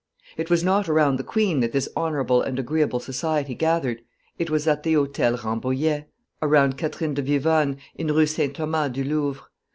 It was not around the queen that this honorable and agreeable society gathered; it was at the Hotel Rambouillet, around Catherine de Vivonne, in Rue St. Thomas du Louvre.